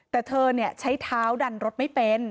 แต่เธอใช้เท้าดันรถไม่เป็น